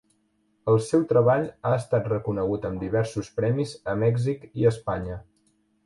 El seu treball ha estat reconegut amb diversos premis a Mèxic i Espanya.